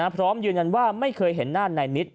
พร้อมยืนยันว่าไม่เคยเห็นหน้านายนิด